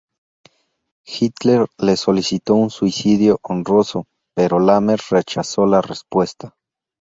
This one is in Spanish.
Hitler le solicitó un suicidio honroso, pero Lammers rechazó la propuesta.